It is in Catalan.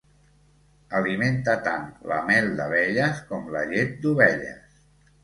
Alimenta tant la mel d'abelles com la llet d'ovelles.